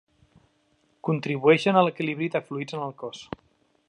Contribueixen a l'equilibri de fluids en el cos.